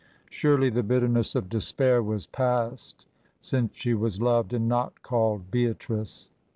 Surely the bitterness of despair was past since she was loved and not called Beatrice.